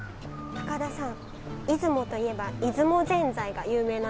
高田さん